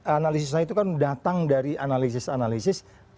analisis saya itu kan datang dari analisis analisis